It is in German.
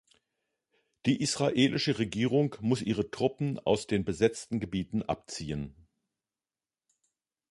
Die israelische Regierung muss ihre Truppen aus den besetzten Gebieten abziehen.